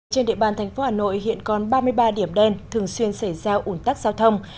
trên địa bàn thành phố hà nội hiện còn ba mươi ba điểm đen thường xuyên xảy ra ủn tắc giao thông